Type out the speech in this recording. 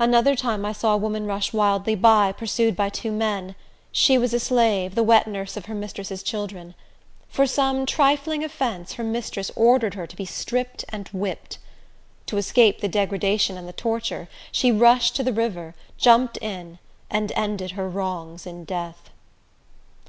Another time I saw a woman rush wildly by, pursued by two men. She was a slave, the wet nurse of her mistress's children. For some trifling offence her mistress ordered her to be stripped and whipped. To escape the degradation and the torture, she rushed to the river, jumped in, and ended her wrongs in death.